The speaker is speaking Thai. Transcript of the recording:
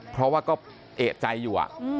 เพราะว่าก็เอกใจอยู่